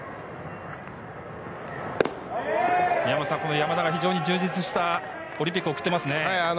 山田が非常に充実したオリンピックを送っていますね。